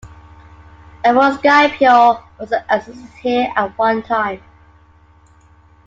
A Fort Scipio also existed here at one time.